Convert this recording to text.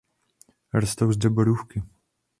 Rostou zde borůvky.